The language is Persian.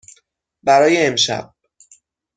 برای امشب.